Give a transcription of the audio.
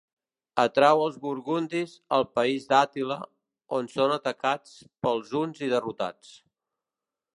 Atrau els burgundis al país d'Àtila, on són atacats pels huns i derrotats.